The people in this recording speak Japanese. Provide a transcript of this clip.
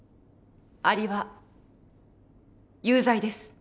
アリは有罪です。